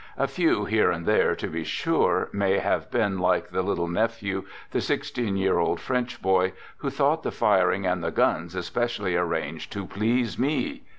A few, here and there, to be sure, may have been like the " little nephew," the sixteen year old French boy, who thought the firing and the guns especially arranged to " please me